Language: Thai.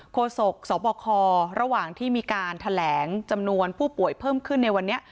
โศกสบคระหว่างที่มีการแถลงจำนวนผู้ป่วยเพิ่มขึ้นในวันนี้